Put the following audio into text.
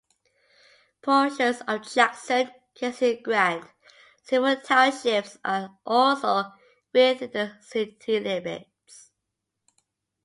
Portions of Jackson, Keyser and Grant civil townships are also within the city limits.